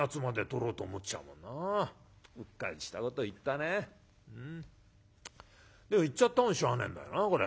でも言っちゃったもんはしょうがねえんだよなこれ。